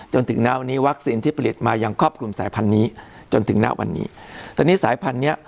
จนถึงนานวันนี้วัคซีนที่ผลิตมายังครอบคลุมสายพันธุ์นี้จนถึงนานวันนี้